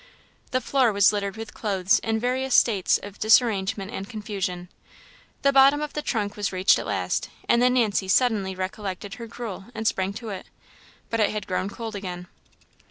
The floor was littered with clothes in various states of disarrangement and confusion. The bottom of the trunk was reached at last, and then Nancy suddenly recollected her gruel, and sprang to it. But it had grown cold again.